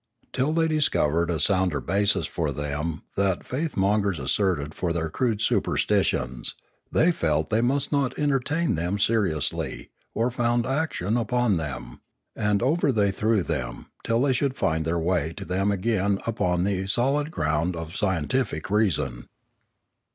Till they discovered a sounder basis for them than faithmongers asserted for their crude superstitions, they felt they must not enter tain them seriously or found action upon them; and over they threw them till they should find their way to them again upon the solid ground of scientific reason.